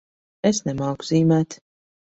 Es nemāku zīmēt.